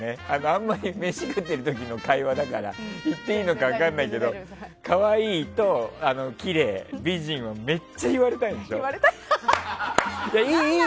あんまり飯食っている時の会話だから言っていいのか分かんないけど可愛いと、きれい美人はめっちゃ言われたいんでしょ？